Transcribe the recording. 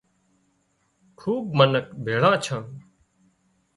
خوٻ منک ڀِيۯان ڇان